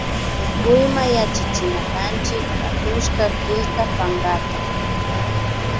Tukuyma yallichinakanchik hatushka killka pankata